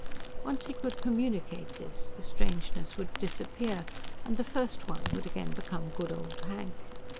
Once he could communicate this, the strangeness would disappear and the First One would again become good old Hank.